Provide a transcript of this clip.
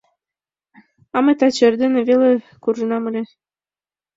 А мый таче эрдене веле куржынам ыле.